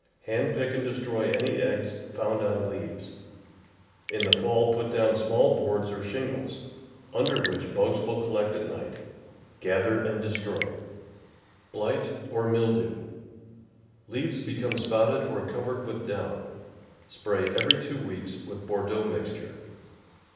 Hand pick and destroy any eggs found on leaves. In the fall put down small boards or shingles, under which bugs will collect at night ; gather ^nd destroy. [ 237 ] THE VEGETABLE GARDEN Blight or Mildew. — Leaves become spotted or covered vi^ith down. Spray every two weeks with Bordeaux mixture.